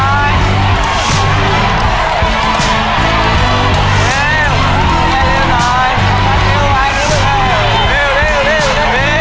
ไปเลยไปหนึ่งทางตายครับดูด้วย